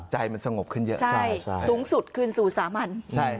ใจมันสงบขึ้นเยอะสูงสุดคืนสู่สามัญ